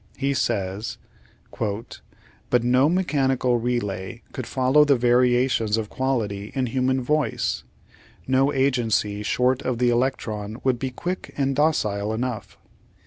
He says : But no mechanical relay could follow the variations of quality in human voice ; no agency short of the electron would be quick and docile enough.